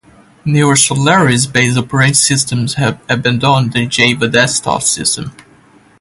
Newer Solaris based operating systems have abandoned the Java Desktop System.